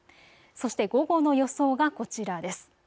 そして午後の予想がこちらです。